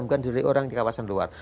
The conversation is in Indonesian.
bukan di orang di kawasan luar